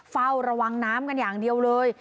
เฝ้าระวังน้ำกันอย่างเดียวเลย